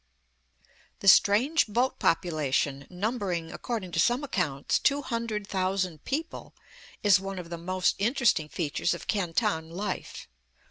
The strange boat population, numbering, according to some accounts, two hundred thousand people, is one of the most interesting features of Canton life.